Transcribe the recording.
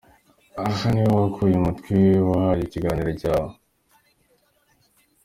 Aha ni ho wakuye umutwe wahaye ikiganiro cyawe.